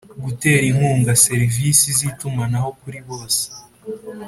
gutera inkunga serivisi z itumanaho kuri bose